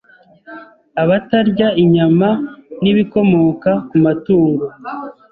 Abatarya inyama n'ibikomoka ku matungo